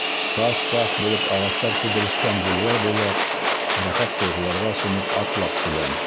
Саф-саф булып ағастар теҙелешкән бульвар буйлап, рәхәт тойғоларға сумып, атлап киләм.